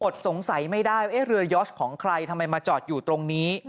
อดสงสัยไม่ได้ล็อชของใครทำไมมาจอดอยู่ตรงนี้